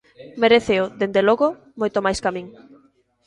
Meréceo, dende logo, moito máis ca min.